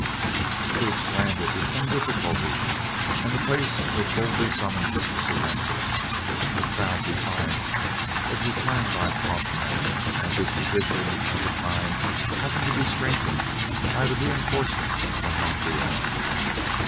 The troops landed with some difficulty, and the place was boldly summoned to surrender. A proud defiance was returned by Frontenac, as his position at that time happened to be strengthened by a re enforcement from Montreal.